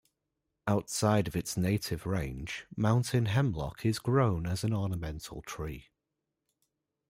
Outside of its native range, mountain hemlock is grown as an ornamental tree.